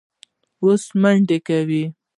آس منډه کوي.